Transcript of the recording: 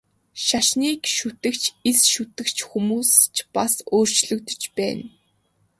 Шашныг шүтэгч, эс шүтэгч хүмүүс ч бас өөрчлөгдөж байна.